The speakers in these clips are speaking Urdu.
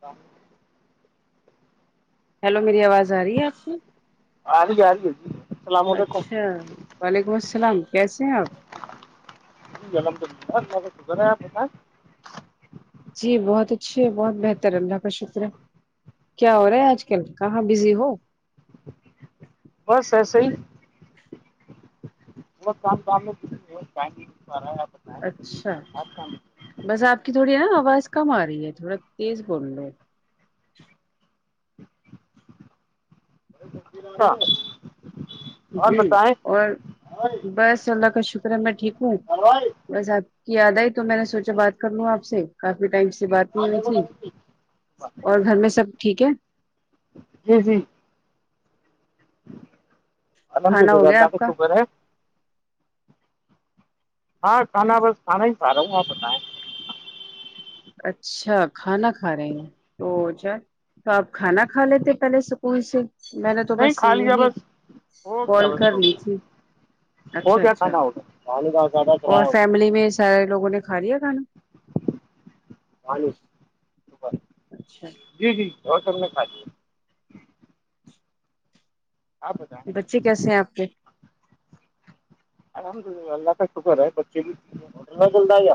کم [unintelligible] ہیلو میری آواز آ رہی ہے آپ سے آ جی آ رہ جی السلام علیکم ہاں وعلیکم السلام کیسے ہے آپ الحمدلللہ اللہ کا شکر ہے آپ بتاے جی بہت اچھیے ہے بہت بہتر ہے اللہ کا شکریہ کیا ہو رہا ہے آج کل کہاں بزی ہو بس ایسے ہی وقت کام کام میں رہا ہے بتائیں اچھا بس آپ کی تھوڑی ہے نا آواز کم آ رہی ہے تھوڑا تیز بول لو ہاں جی اور بس اللہ کا شکر ہے میں ٹھیک ہوں ہائی بس آپ کی یاد آئی تو میں نے سوچا بات کر لوں آپ سے کافی ٹائم سے بات نہیں ہوئی تھی اور گھر میں سب ٹھیک ہے جی جی انت کھانا کوھے ہو گیا آپ دداب کا خبر ہے ہاں کھا بس کھا ہی پا رہا ہوں آپ بتائیں اچھا کھانا کھا رہے ہیں تو کیا تو آپ کھانا کھا لیتے پہلے سکول سے میں نے تو نہیں بس کھا لیا یہی بس ہو گیا کال بس کر ہو لی گیا تھی ہو اچھا گیا اچھا کھانا ہوگیا پانی کا زیادہ اور چلایا ہو فیملی میں سارے لوگوں نے کھا لیا کھانا مع اچھا جی جی اور سب نے کھجی ہے آپتا بچے کیسے ہیں آپ کے آرحمدلہ اللہ کا شکر ہے بچے بھیلہ جل رہ ہے کیایا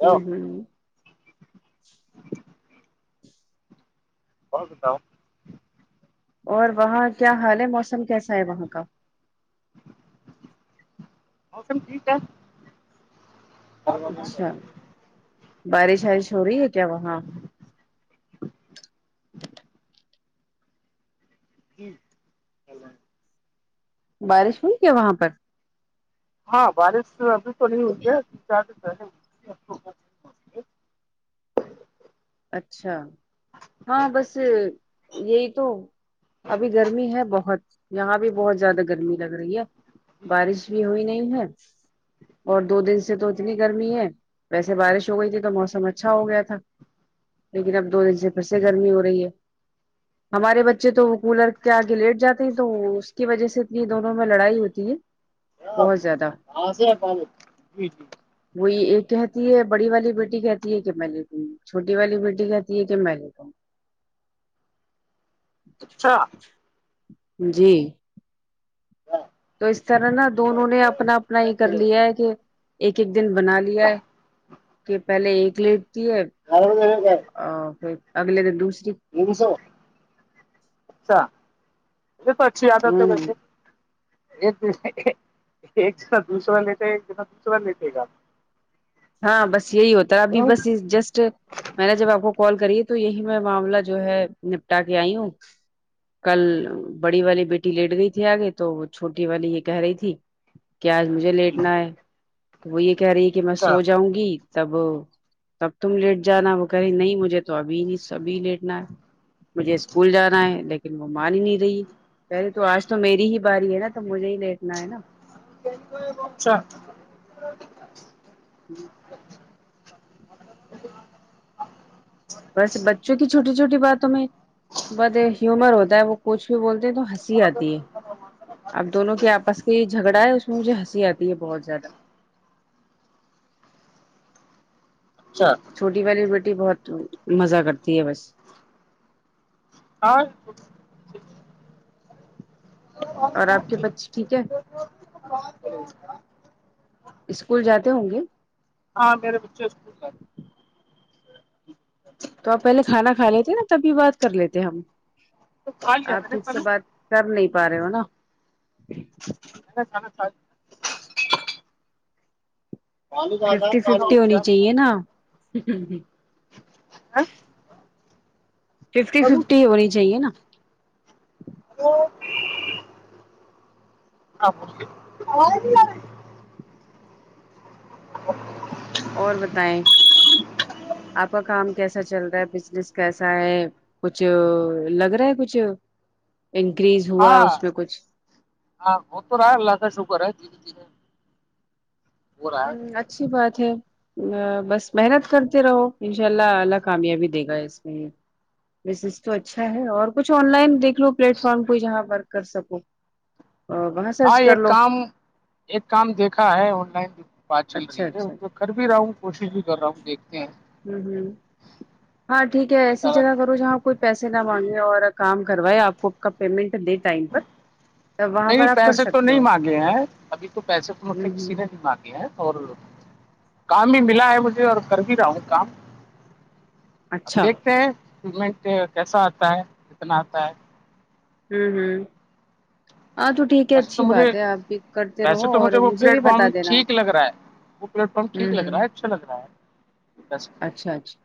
ہ ہوں کو ستا ہوں اور وہاں کیا حال ہے موسم کیسا ہے وہاں کا موسم ٹھیک ہے اچھا بارش وارش ہو رہی ہے کیا وہاں جی بارش ہوئی کیا وہاں پر ہاں بارش ابھی تو نہیں ہوئی ہے تین چار دن پہلے اچھا ہاں بس یہی تو ابھی گرمی ہے بہت یہاں بھی بہت زیادہ گرمی لگ رہی ہے بارش بھی ہوئی نہیں ہے اور دو دن سے تو اتنی گرمی ہے ویسے بارش ہو گئی تھی تو موسم اچھا ہو گیا تھا لیکن اب دو دن سے پھر سے گرمی ہو رہی ہے ج ہمارے بچے تو وہ کولر کے آگے لیٹ جاتے ہیں تو اس کی وجہ سے اتنی دونوں میں لڑائی ہوتی ہے کیا بہت زیادہ آسے پالو جی جی وہی ایک کہتی ہے بڑی والی بیٹی کہتی ہے کہ میں لیٹوں بیٹی والی بیٹی کہتی ہے کہ میںےتا ہوں اچھا جی تو اس طرح نا دونوں نے اپنا اپنا یہ کر لیا ہے کہ ایک ایک دن بنا لیا ہے کہ پہلے ایک لیٹتی ہے آر کر ا پھر اگلے د دوسری سو اچھا تو اچھی آیاد ہو ہے ہوں ویسے ایک د ایک س دو سو لیتے ایک د دو سوا لیتے گم ہاں بس یہی ہوتا ہے ابھی بس جسٹ میں نے جب آپ کو کال کری ہے تو یہی میں معاملہ جو ہے نپٹا کے آئی ہوں کل بڑی والی بیٹی لیٹ گئی تھی آگے تو وہ چھوٹی والی یہ کہہ رہی تھی ا کہ آج مجھے لیٹنا ہے وہ یہ کہہ رہی ہے کہ میں اچھا سو جاؤں گی تب تب تم لیٹ جانا وہ کہ رہی نہیں مجھے تو ابھی نہیں سبھی لیٹنا ہے مجھے اسکول جانا ہے لیکن لیکن وہ مان ہی نہیں رہی پہلے تو آج تو میری ہی باری ہے نا تو مجھے ہی دیکھنا ہے نا اچھا ھممم وسے بچوں کی چھوٹی چھوٹی باتوں میں بت ہیومر ہوتا ہے وہ کچھ بھی بولتے ہیں تو ہنسی آتی ہے اب دونوں کے آپس کی یہ جھگڑا ہے اس میں مجھے ہنسی آتی ہے بہت زیادہ اچھا چھوٹی والی بیٹی بہت مزہ کرتی ہے بس اور اور آپ کے بچے ٹھیک ہے اسکول جاتے ہوں گے ہاں میرے بچ اسک اچھا تو آپ پہلے کھانا کھا لیتے نا تبھی بات کر لیتے ہم تو کھا لیا آپ میں نے ٹھیک سے کھانا بات کر نہیں پا رہے ہو نا چا چانا [unintelligible] ففٹی ففٹی ہونی لیا چاہیے نا ہ ففٹی ففٹی ہونی چاہیے نا ا آ اور [inaudible] اور بتیں آپ کا کام کیسا چل رہا ہے بزنس کیسا ہے کچھ لگ رہا ہے کچھ انکریز ہوا ہاں اس میں کچھ ہاں ہو تو رہا اللہ کاا شوکر ہے دے ہ اچھی بات ہے ا بس محنت کرتے رہو انشاء اللہ العلہ کامیابی دے گا اس میں بزنس تو اچھا ہے اور کچھ آن لائن دیک پلیٹ فارم کو جہاں ورک کر سکوں بت ہاں ایک کام ایک کام دیکھا ہے آن لائن بات چل اچھا رہی ہے اچھا اس کر بھی رہا ہوں کوشش بھی کر رہا ہوں دیکھتے ہیں ہ ہ ہاں ٹھیک ہے اللہ ایسی تعالی جگہ کرو جہاں کوئی پیسے نہ مانگے اور کام کروائے آپ کو کا پیمنٹ دے ٹائم پر تب وہاں نہیں پر آپ کر پیسے تو سکتے نہیں ہو مانگے ہیں ابھی تو پیسے تو مجھ سے ہ کسی ہ نے نہیں مانگے ہیں اور کام بھی ملا ہے مجھے اور کر بھی رہا ہوں کام اب اچھا دیکھتے ہیں پیمنٹ کیسا آتا ہے کتنا آتا ہے ھمم ھمم آ جو ٹھیک ہے ایسے اچھی تو بات مجھے ہے آپ پک کرتے ویسے رہو تو اور وہ مجھے بھی پلیٹ بتا فارم دینا ہ ٹھیک لگ رہا ہے وہ پلیٹ فارم ٹھیک لگ رہا ہے اچھا لگ رہا ہے ویسے تو اچھا اچھا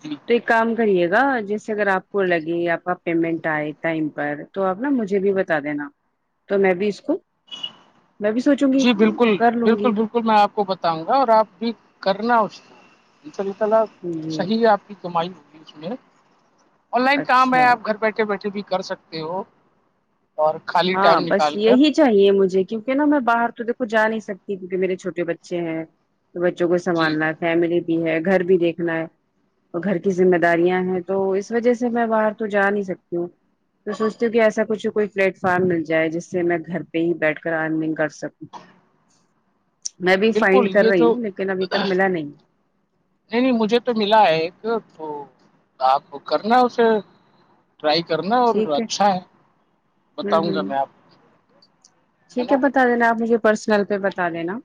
جی ٹھیک کام کریے گا جیسے اگر آپ کو لگے آپ کا پیمنٹ آئے ٹائم پر تو آپ نا مجھے بھی بتا دینا تو میں بھی اس کو میں بھی سوچوں گی جی بالکل کر لوں بالکل گی بالکل میں آپ کو بتاؤں گا اور آپ بھی کرنا اس اناء اللہ تعالی جی صحیح ہے آپ کی کمائی ہوگی اس میں آن لائن کام ہے اچھا آپ گھر بیٹھے بیٹھے بھی کر سکتے ہو اور خالی ہاں ٹائم بس نکال کر یہی چاہیے مجھے کیونکہ نہا میں باہر تو دیکھو جا نہیں سکتی کیونکہ میرے چھوٹے بچے ہیں تو بچوں کو جی سنبھالنا ہے فیملی بھی ہے گھر بھی دیکھنا ہے گھر کی ذمہ داریاں ہیں تو اس وجہ سے میں باہر تو جا نہیں سکتی ہوں تو سوچتے ہو کہ ایسا کچھ کوئی فلٹ فارم مل جائے جس سے میں گھر پہ ہی بیٹھ کر ارننگ کر سکوں میں بھی بالکل فائنڈ کر یہ رہی جو ہوں لیکن ابھی تک ملا نہیں نہیں نہیں مجھے تو ملا ہے ایک تو آپ کرنا اسے ٹرائی کرنا ہے اور اچھا ہے ہوں بتاؤں گا ہوں میں آپ کو ٹھیک ہے بتا دینا آپ مجھے پرسنل پہ بتا دینا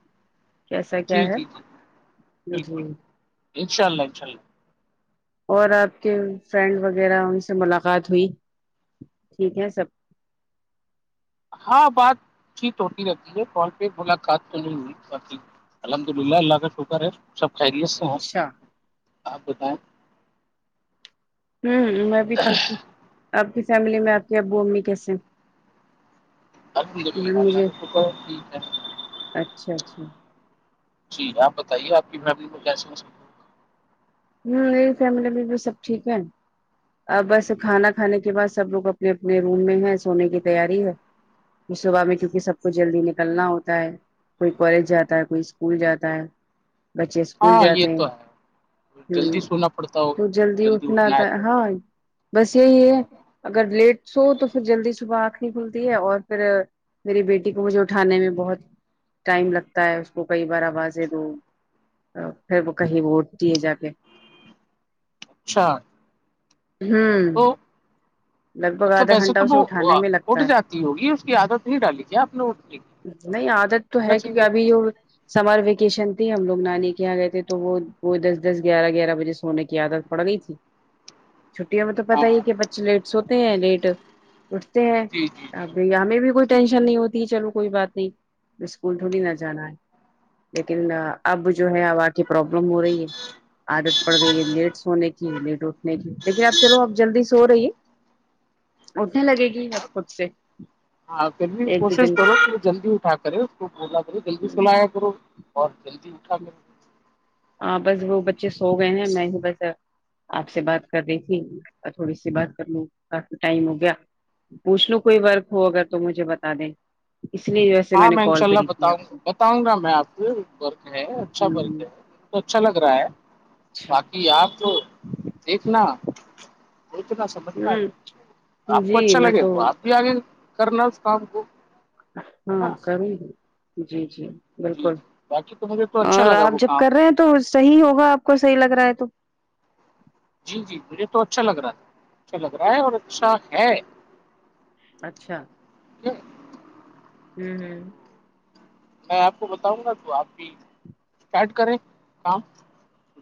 کیسا کیا جی ہے جی جی جی بالکل انشاء اللہ انشا اللہ اور آپ کے فرینڈ وغیرہ ان سے ملاقات ہوئی ٹھیک ہے سب ہاں بات یت ہوتی رہتی ہے کال پہ ملاقات تو نہیں ہوئی بتی الحمد للہ اللہ کا شکر ہے سب خیریت سے ہیں اچھا آپ بتائیں ہوں میں بھی ٹھیک تھی آپ کی فیملی میں آپ کی ابو امی کیسے ہیں البلہ مجھے اللہ توک ھیک ہے اچھا اچھا جی آپ بتائیے آپ کی فیملی میں کیس ہو ہوں مری فیملی میں بھی سب ٹھیک ہے ا بس کھانا کھانے کے بعد سب لوگ اپنے اپنے روم میں ہے سونے کی تیاری ہے صبح میں کیونکہ سب کوچ جلدی نکلنا ہوتا ہے کوئی کالج جاتا ہے کوئی اسکول جاتا ہے بچے اسکول ہاں یہ جاتے ہیں تو ہے جلدی ہ سونا پڑتا ہوگا تو جلدی اٹھنا تھا ہے تو ہاں بس یہی ہے اگر لیٹ سو تو پھر جلدی صبح آنکھ نہیں کھلتی ہے اور پھر میری بیٹی کو مجھے اٹھانے میں بہت ٹائم لگتا ہے اس کو کئی بار آوازیں دو پھر وہ کہیں ووٹ دیے جا کے اچھا ہوں تو لگ بھگ مطلب آدھا ویسے گھنٹہ تو اسے وہ اٹھانے میں اٹ لگتا ہے جاتی ہوگی اس کی عادت نہیں ڈالی ت آپ نےٹنے نہیں عادت تو ہے کیونکہ ابھی سمر ویکیشن تھی ہم لوگ نانی کے یہاں گئے تھے تو وہ کوئی دس دس گیارہ گیارہ بجے سونے کی عادت پڑ گئی تھی چھٹیوں میں تو ہاں پتا ہی کہ بچے لیٹ س ہوتے ہیں لیٹ اٹھتے ہیں جی جی جی اب ہمیں بھی کوئی ٹھیک ٹینشن نہیں ہوتی ہے چلو کوئی بات نہیں اسکول تھوڑی نہ جانا ہے لیکن اب جو ہے اب آ کی پرابلم ہو رہی ہے عادت پڑ گئی ہے لیٹ سونے کی لیٹ اٹھنے کی لیکن اب چلو اب جلدی سو رہی ہے اٹتنے لگے گی اب خود سے ہاں پھر بھی ایک دو کوشش دن کرو کہ جلدی اٹھا کرے اس کو بولا کرے جلدی سلایا کرو اورہ جلدی اٹھا کرو ہاں بس وہ بچے سو گئے ہیں میں ہی بس آپ سے بات کر رہی تھی اور تھوڑی سی بات کر لوں کافی ٹائم ہو گیا پوچھ لو کوئی ورک ہو اگر تو مجھے بتا دیں اس لیے جیسے میں نے کال کری تھی آپ کو وںںا میں آ سے اچھا ہ فک ہے تو اچھا لگ رہا ہے اچھا باقی آپ ایک ن سوتنا سمجھنا ہے ہ آپ کو جی اچھا میں لگے تو آپ بھی آگے کرنا اس کام کو ہاں نا ضرور ہے جی جی جی بالکل جی باقی تو مجھے تو اچھا اور لگا آپ وہ جب کام کر رہے ہیں تو صحیح ہوگا آپ کو صحیح لگ رہا ہے تو جی جی مجھے تو اچھا لگ رہا تھا اچھا لگ رہا ہے اور اچھا ہے اچھا ہوں ہوں میں آپ کو بتاؤں گا تو آپ بھی اسٹارٹ کرے کام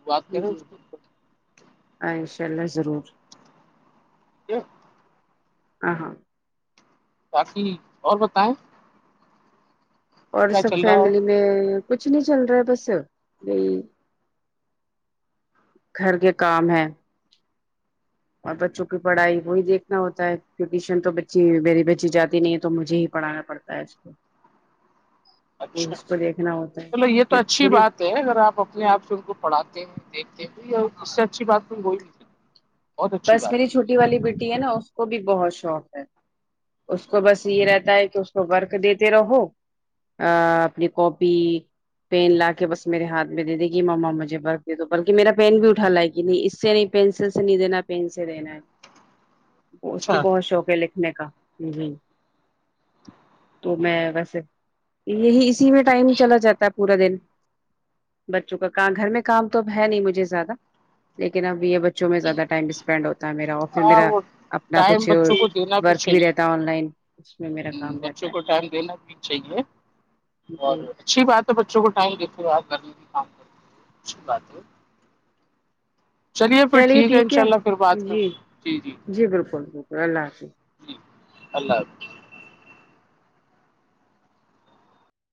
بات جی کریں جی اس کی ہاں ان شاء اللہ ضرور یہ [inaudible] آ ہاں باقی اور بتائیں اور کیا سب چل رہا ہے فیملی میں کچھ نہیں چل رہا ہے بس نہیںئی گھر کے کام ہے ج [unintelligible] اور بچوں کی پڑھائی وہی دیکھنا ہوتا ہے کی ٹیوشن تو بچی میری بچی جاتی نہیں ہے تو مجھے ہی پڑھانا پڑتا تج [unintelligible] اچھا دیکھنا ہوتا ہے مطلب یہ تو پھر اچھی تھوڑی بات اگر آپ اپنے آپ سے ان کو پڑھاتے ہیں دیکھتے ہیں یا اس سے اچھی بات تو وہئی نہیں بہت اچھی بس میری بات ہے چھوٹی والی بیٹی ہے نا اس کو بھی بہت شوق ہے اس کو بس یہ رہتا ہے کہ اس کو ورک دیتے رہو ا اپنی کوپی پین لا کے بس میرے ہاتھ میں دے دے کہ ماما مجھے برق د دو بلکہ میرا پین بھی اٹھا لا ہے کہ نہیں اس سے نہیں پینسل سے نہیں دینا پین سے دینا ہے اس کو اچھا بہت شوق ہے لکھ نیکنے کا ہو ہو تو میں ویسے یہی اسی میں ٹائم چلا جاتا ہے پورا دن بچوں کا کا گھر میں کام تو اب ہے نہیں مجھے زیادہ لیکن اب یہ بچوں میں زیادہ ٹائم ینڈ ہوتا ہے میرا اور پھر ہاں میرا وہ اپنا ٹائم کچھ بچوں کو دینا ورک بھی رہتا ہے چاہیے آن لائن اس میں میرا کام رہتا بچوں کو ہے ٹائم دینا بھی چاہیے اور جی۔ اچھی بات ہے بچوں کو ٹائم دیتے ہو آپ کام کر اچھی بات ہے چلیے پھر ٹھیک ہے ان شاء اللہ پھر بات جی کروں جی جی بالکل بالکل اللہ حافظ جی اللہ حافظ